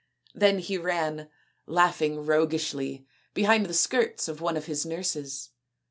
Then he ran, laughing roguishly, behind the skirts of one of his nurses.